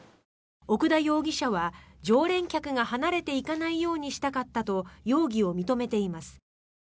奥田容疑者は常連客が離れていかないようにしたかったと容疑を認めています。